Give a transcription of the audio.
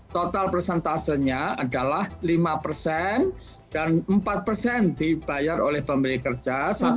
total presentasenya adalah lima dan empat dibayar oleh pemilik kerja